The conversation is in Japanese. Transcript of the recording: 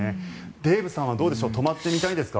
デーブさんはどうでしょう泊まってみたいですか？